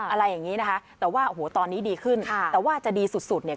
อะไรอย่างนี้นะคะแต่ว่าโอ้โหตอนนี้ดีขึ้นค่ะแต่ว่าจะดีสุดสุดเนี่ย